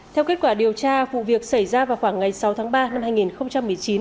theo kết quả điều tra vụ việc xảy ra vào khoảng ngày sáu tháng ba năm hai nghìn một mươi chín